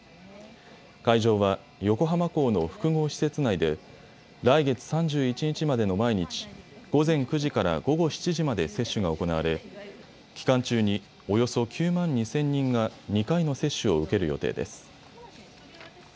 会場は横浜港の複合施設内で来月３１日までの毎日、午前９時から午後７時まで接種が行われ期間中におよそ９万２０００人が２回の接種を受ける予定です。